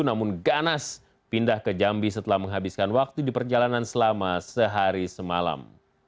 namun ganas pindah ke jambi setelah menghabiskan waktu di perjalanan selama sehari semalam